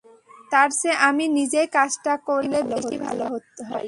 তারচেয়ে আমি নিজেই কাজটা করলে বেশি ভালো হয়।